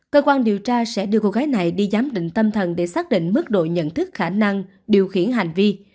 cơ quan điều tra sẽ đưa cô gái này đi giám định tâm thần để xác định mức độ nhận thức khả năng điều khiển hành vi